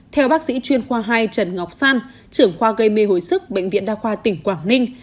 theo bác sĩ chuyên khoa hai trần ngọc san trưởng khoa gây mê hồi sức bệnh viện đa khoa tỉnh quảng ninh